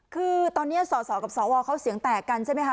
คือตอนนี้สสกับสวเขาเสียงแตกกันใช่ไหมคะ